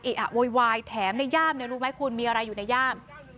อะโวยวายแถมในย่ามเนี่ยรู้ไหมคุณมีอะไรอยู่ในย่าม